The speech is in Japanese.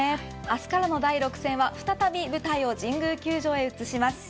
明日からの第６戦は再び舞台を神宮球場へ移します。